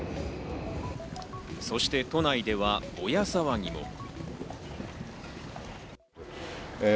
そして都内ではボヤ騒ぎも。